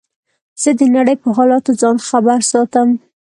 زه د نړۍ په حالاتو ځان خبر ساتم.